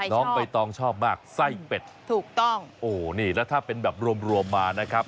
น้องใบตองชอบมากไส้เป็ดถูกต้องโอ้นี่แล้วถ้าเป็นแบบรวมรวมมานะครับ